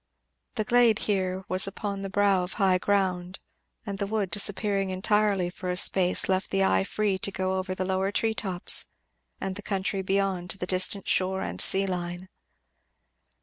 The glade, here, was upon the brow of high ground, and the wood disappearing entirely for a space left the eye free to go over the lower tree tops and the country beyond to the distant shore and sea line.